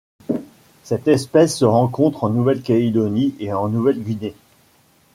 Cette espèce se rencontre en Nouvelle-Calédonie et en Nouvelle-Guinée.